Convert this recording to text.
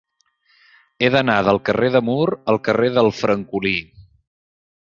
He d'anar del carrer de Mur al carrer del Francolí.